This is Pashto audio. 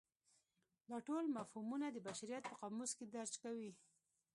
دا ټول مفهومونه د بشریت په قاموس کې درج کوي.